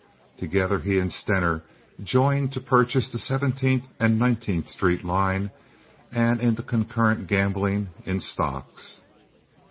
Together he and Stener joined to purchase the Seventeenth and Nineteenth Street line and in the concurrent gambling in stocks.